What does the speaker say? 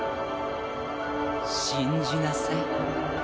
信じなさい。